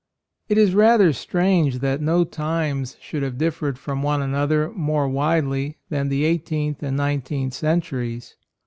TT is rather strange that no times should have differed from one another more widely than the eighteenth and nine teenth centuries.